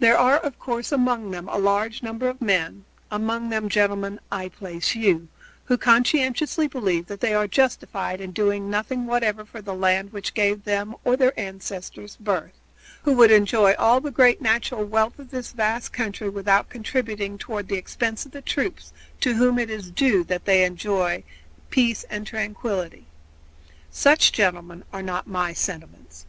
There are, of course, among them a large number of men among them, gentlemen, I place you who conscientiously believe that they are justified in doing nothing whatever for the land which gave them or their ancestors birth; who would enjoy all the great natural wealth of this vast country without contributing toward the expense of the troops to whom it is due that they enjoy peace and tranquility. Such, gentlemen, are not my sentiments.